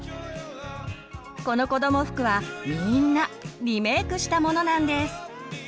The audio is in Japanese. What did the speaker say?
このこども服はみんなリメークしたものなんです。